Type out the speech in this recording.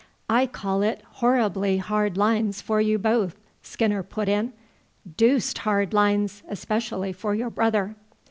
"I call it horribly hard lines for you both," Skinner put in; "deuced hard lines, especially for your brother."